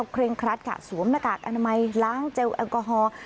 เร่งครัดค่ะสวมหน้ากากอนามัยล้างเจลแอลกอฮอล์